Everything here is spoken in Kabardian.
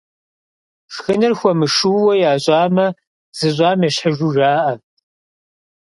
Шхыныр хуэмышууэ ящӀамэ, зыщӀам ещхьыжу жаӀэ.